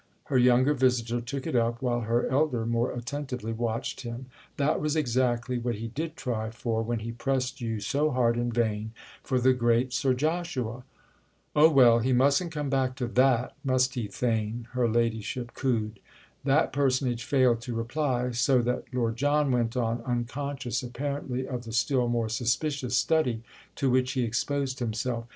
—her younger visitor took it up while her elder more attentively watched him. "That was exactly what he did try for when he pressed you so hard in vain for the great Sir Joshua." "Oh well, he mustn't come back to that—must he, Theign?" her ladyship cooed. That personage failed to reply, so that Lord John went on, unconscious apparently of the still more suspicious study to which he exposed himself.